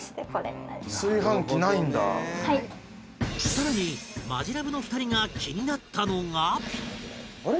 更にマヂラブの２人が気になったのが